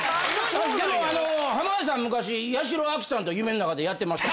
でもあの浜田さん昔八代亜紀さんと夢の中でやってました。